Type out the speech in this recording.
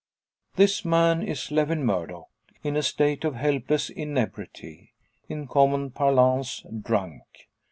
This man is Lewin Murdock, in a state of helpless inebriety in common parlance, drunk.